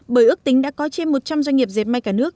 bởi ước tính đã có trên một trăm linh doanh nghiệp dẹp may cả nước